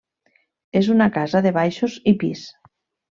És una casa de baixos i pis.